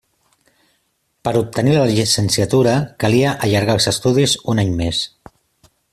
Per obtenir la llicenciatura calia allargar els estudis un any més.